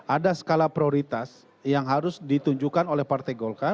ada skala prioritas yang harus ditunjukkan oleh partai golkar